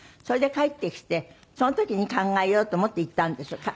それで帰ってきてその時に考えようと思って行ったんです。